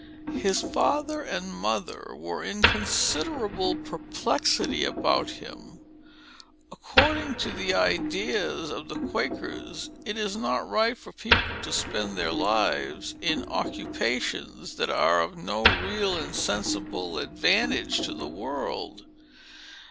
His father and mother were in considerable perplexity about him. According to the ideas of the Quakers it is not right for people to spend their lives in occupations that are of no real and sensible advantage to the world.